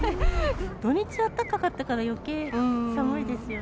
土日あったかかったからよけい寒いですよね。